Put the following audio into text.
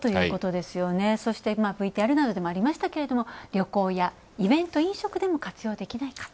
そして、ＶＴＲなどでもありましたけど旅行やイベント、飲食でも活用できないか。